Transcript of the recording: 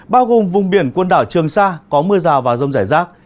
bao gồm vùng biển quân đảo trường sa có mưa rào và rông rải rác